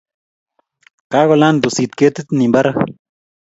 Kakolant pusit ketit nin parak.